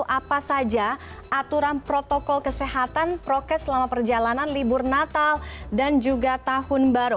apa saja aturan protokol kesehatan prokes selama perjalanan libur natal dan juga tahun baru